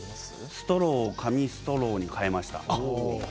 ストローを紙ストローに変えました。